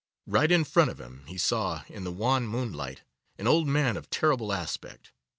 Right in front of him he saw, in the wan moonlight, an old man of terrible aspect.